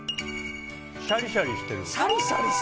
シャリシャリしてる。